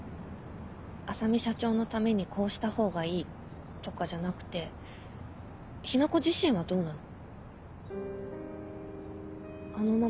浅海社長のためにこうしたほうがいいとかじゃなくて雛子自身はどうなの？